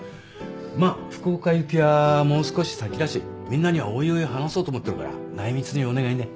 まあ福岡行きはもう少し先だしみんなにはおいおい話そうと思ってるから内密にお願いね。